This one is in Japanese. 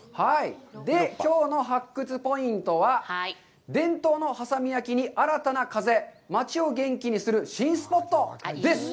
きょうの発掘ポイントは、伝統の波佐見焼に新たな風、町を元気にする新スポットです。